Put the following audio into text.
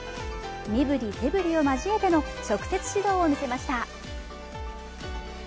身振り手振りを交えての直接指導を見せました。